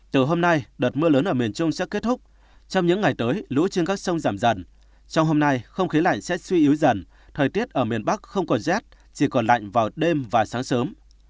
từ hôm nay đợt mưa lớn ở miền trung sẽ kết thúc trong những ngày tới lũ trên các sông giảm dần trong hôm nay không khí lạnh sẽ suy yếu dần thời tiết ở miền bắc không còn rét chỉ còn lạnh vào đêm và sáng sớm